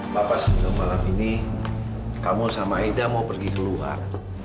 lepas malam ini kamu sama aida mau pergi keluar